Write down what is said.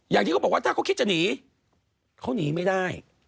อย่างที่เขาบอกว่าถ้าเขาคิดจะหนีเขาหนีไม่ได้